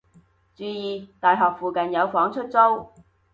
注意！大學附近有房出租